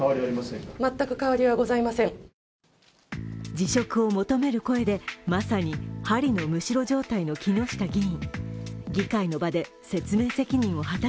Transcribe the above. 辞職を求める声でまさに針のむしろ状態の木下議員。